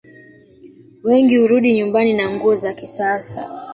Wengi hurudi nyumbani na nguo za kisasa